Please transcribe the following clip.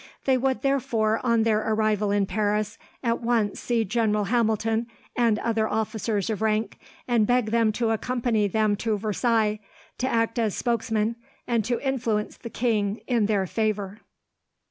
They would therefore, on their arrival in Paris, at once see General Hamilton, and other officers of rank, and beg them to accompany them to Versailles to act as spokesmen, and to influence the king in their favour.